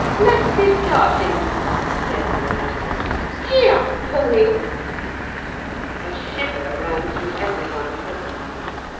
'Let's be starting,' said the motor lady. 'Gee up, pony!' A shiver ran through every one present.